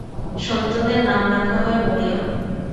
সন্তানের নাম রাখা হয় মরিয়ম।